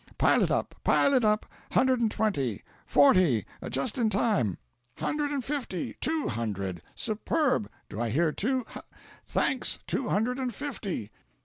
pile it up, pile it up! hundred and twenty forty! just in time! hundred and fifty! Two hundred! superb! Do I hear two h thanks! two hundred and fifty!